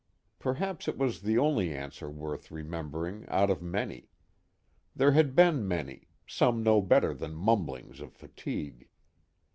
Perhaps it was the only answer worth remembering out of many. There had been many, some no better than mumblings of fatigue.